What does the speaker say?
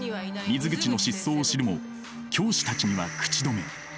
水口の失踪を知るも教師たちには口止め。